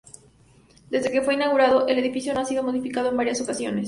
Desde que fue inaugurado, el edificio ha sido modificado en varias ocasiones.